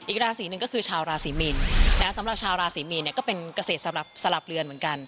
อีกราศีหนึ่งก็คือชาวราศีมีนนะครับสำหรับชาวราศีมีนเนี่ยก็เป็นเกษตรสลับเลือนเหมือนกัน